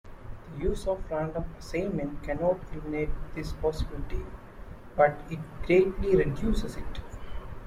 The use of random assignment cannot eliminate this possibility, but it greatly reduces it.